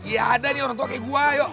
ya ada nih orang tua kayak gua yuk